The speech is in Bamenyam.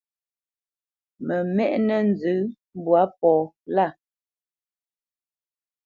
Mə mɛ́ʼnə̄ nzə mbwǎ pɔ lâ.